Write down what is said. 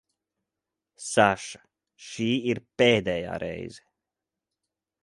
Saša, šī ir pēdējā reize.